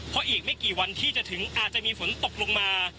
เพราะอีกไม่กี่วันที่จะถึงอาจจะมีฝนตกลงมา